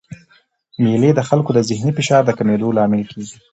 مېلې د خلکو د ذهني فشار د کمېدو لامل کېږي.